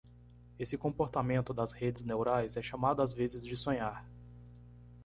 Esse comportamento das redes neurais é chamado às vezes de sonhar.